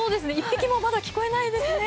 １匹もまだ聞こえないですね。